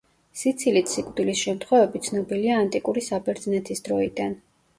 სიცილით სიკვდილის შემთხვევები ცნობილია ანტიკური საბერძნეთის დროიდან.